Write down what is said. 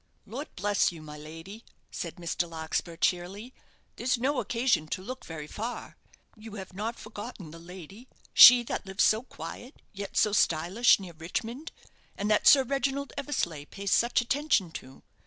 "Lord bless you, my lady," said Mr. Larkspur, cheerily, "there's no occasion to look very far. You have not forgotten the lady, she that lives so quiet, yet so stylish, near Richmond, and that Sir Reginald Eversleigh pays such attention to?